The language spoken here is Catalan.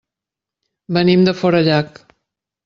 Venim de Forallac.